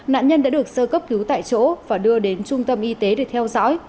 nạn nhân đã được sơ cấp cứu tại chỗ và đưa đến trung tâm y tế để theo dõi